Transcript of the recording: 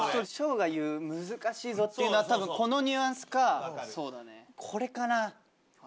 紫耀が言う難しいぞっていうのは多分このニュアンスかこれかな？